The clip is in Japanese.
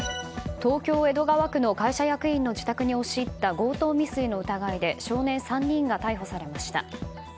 東京・江戸川区の会社役員の自宅に押し入った強盗未遂の疑いで少年３人が逮捕されました。